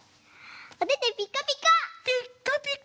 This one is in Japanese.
おててピッカピカ！